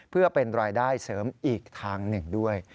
เพื่อเป็นรายได้เสริมอีกทางหนึ่งด้วย